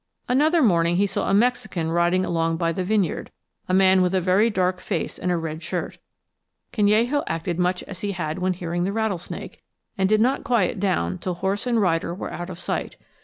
Another morning he saw a Mexican riding along by the vineyard, a man with a very dark face and a red shirt. Canello acted much as he had when hearing the rattlesnake, and did not quiet down till horse and rider were out of sight.